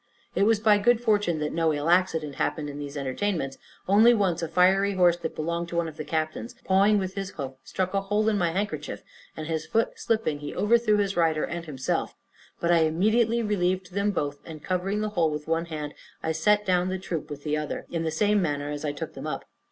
It was by good fortune that no ill accident happened in these entertainments, only once a fiery horse, that belonged to one of the captains, pawing with his hoof, struck a hole in my handkerchief, and his foot slipping, he overthrew his rider and himself; but I immediately relieved them both, and covering the hole with one hand, I set down the troop with the other, in the same manner as I took them up.